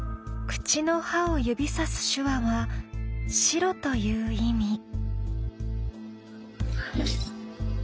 口の歯を指さす手話は白という意味。